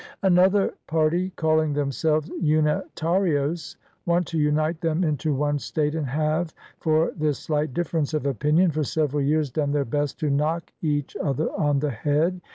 "Another party calling themselves Unitarios want to unite them into one state, and have, for this slight difference of opinion, for several years done their best to knock each other on the head.